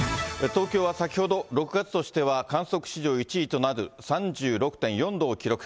東京は先ほど、６月としては観測史上１位となる３６．４度を記録。